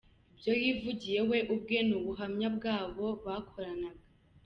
Ibyo yivugiye we ubwe n’ubuhamya bw’abo bakoranaga